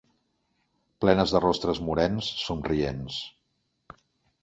Plenes de rostres morens, somrients